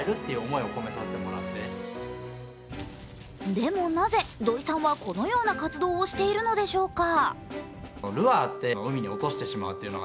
でも、なぜ土井さんはこのような活動をしているのでしょうか？